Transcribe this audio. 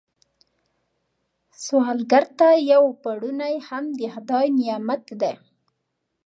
سوالګر ته یو پړونی هم د خدای نعمت دی